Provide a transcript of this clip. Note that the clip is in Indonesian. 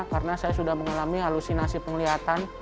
karena saya sudah mengalami halusinasi penglihatan